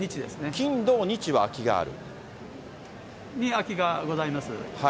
金、土、空きがございます。